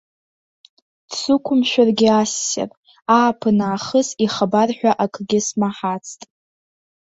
Дсықәымшәаргьы ассир, ааԥын аахыс ихабар ҳәа акгьы смаҳацт.